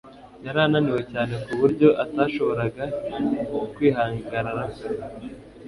yari ananiwe cyane ku buryo atashoboraga kwihagararaho